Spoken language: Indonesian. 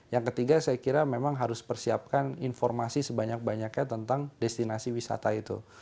yang ketiga saya kira memang harus persiapkan informasi sebanyak banyaknya tentang destinasi wisata itu